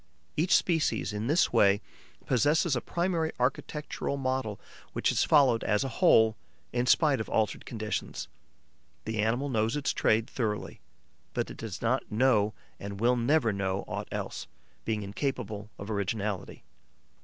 Each species, in this way, possesses a primary architectural model which is followed as a whole, in spite of altered conditions. The animal knows its trade thoroughly, but it does not know and will never know aught else, being incapable of originality.